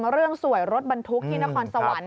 เรื่องสวยรถบรรทุกที่นครสวรรค์